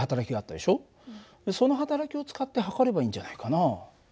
そのはたらきを使って測ればいいんじゃないかな。